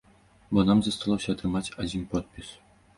Бо нам засталося атрымаць адзін подпіс.